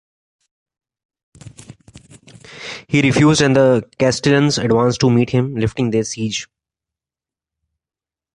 He refused, and the Castilians advanced to meet him, lifting the siege.